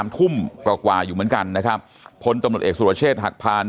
ทุ่มกว่าอยู่เหมือนกันนะครับพลตำรวจเอกสุรเชษฐ์หักพาน